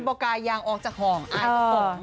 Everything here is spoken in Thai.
เบาะกายางออกจากห่องอายตัวเอง